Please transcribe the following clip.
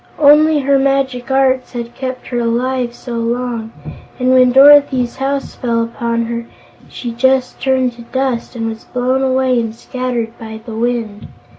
"Only her magic arts had kept her alive so long, and when Dorothy's house fell upon her she just turned to dust, and was blown away and scattered by the wind.